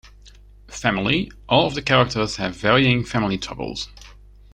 Family: All of the characters have varying family troubles.